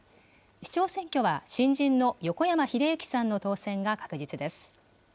市長選挙は新人の横山英幸さんの当選が確実です。